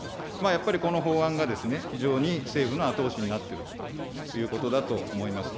やっぱりこの法案が非常に政府の後押しになっているということだと思います。